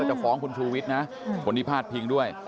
จะฟ้องคุณชูวิทย์นะคนที่พาดพิงด้วย